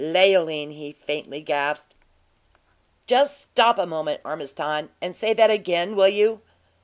"Leoline!" he faintly gasped. "Just stop a moment, Ormiston, and say that again will you?"